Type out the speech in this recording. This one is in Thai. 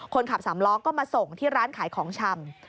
คนขับสามล้อก็มาส่งที่ร้านขายของชำ